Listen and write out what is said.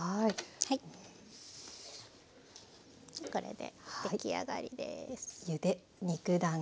これで出来上がりです。